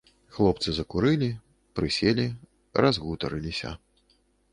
Хлопцы закурылі, прыселі, разгутарыліся.